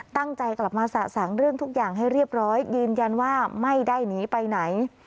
ตั้งใจกลับมาสะสางเรื่องทุกอย่างให้เรียบร้อยยืนยันว่าไม่ได้หนีไปไหน